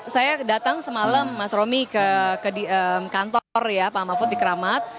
saya datang semalam mas romi ke kantor ya pak mahfud di keramat